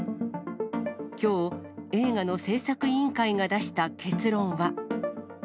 きょう、映画の製作委員会が出した結論は。